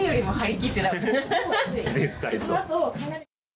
絶対そう。